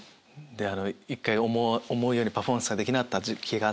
「思うようにパフォーマンスができなかった時期があった」。